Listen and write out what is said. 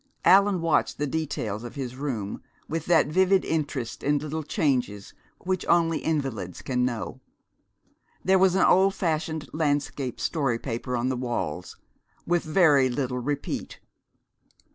Allan watched the details of his room with that vivid interest in little changes which only invalids can know. There was an old fashioned landscape story paper on the walls, with very little repeat.